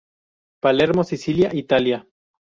Palermo, Sicilia, Italia